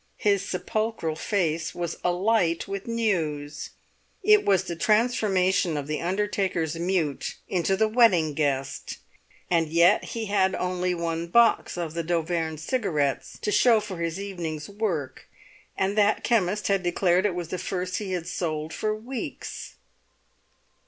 His sepulchral face was alight with news—it was the transformation of the undertaker's mute into the wedding guest. And yet he had only one box of the d'Auvergne Cigarettes to show for his evening's work, and that chemist had declared it was the first he had sold for weeks.